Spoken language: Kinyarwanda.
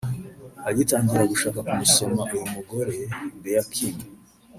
Agitangira gushaka kumusoma uyu mugore Bea Kim